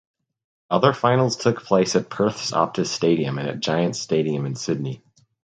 Other finals took place at Perth’s Optus Stadium and at Giants Stadium in Sydney.